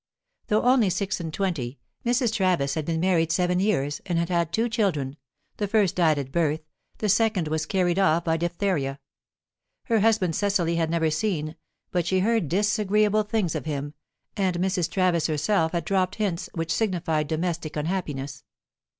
Though only six and twenty, Mrs. Travis had been married seven years, and had had two children; the first died at birth, the second was carried off by diphtheria. Her husband Cecily had never seen, but she heard disagreeable things of him, and Mrs. Travis herself had dropped hints which signified domestic unhappiness.